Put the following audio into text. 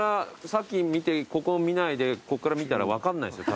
さっき見てここ見ないでこっから見たら分かんないですよ